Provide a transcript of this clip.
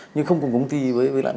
nhưng không cùng công ty với đại nhân